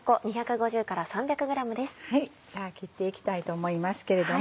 じゃあ切っていきたいと思いますけれども。